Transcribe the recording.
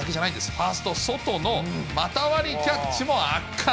ファースト、外の股割りキャッチも圧巻。